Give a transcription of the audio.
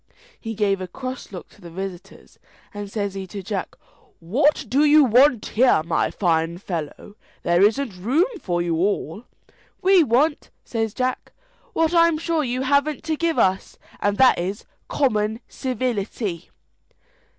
He gave a cross look to the visitors, and says he to Jack, "What do you want here, my fine fellow? there isn't room for you all." "We want," says Jack, "what I'm sure you haven't to give us and that is, common civility."